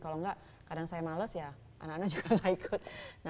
kalau enggak kadang saya males ya anak anak juga gak ikut